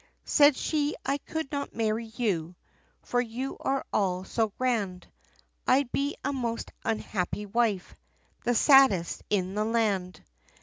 Said she "I could not marry you, For you are all so grand; I'd be a most unhappy wife The saddest in the land."